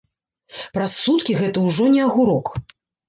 Праз суткі гэта ўжо не агурок.